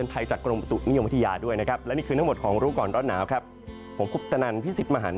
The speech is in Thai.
โปรดติดตามตอนต่อไป